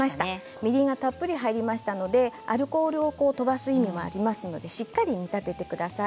みりんがたっぷり入りましたのでアルコールを飛ばす意味もありますのでしっかり煮立ててください。